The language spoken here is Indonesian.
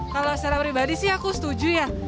kalau secara pribadi sih aku setuju ya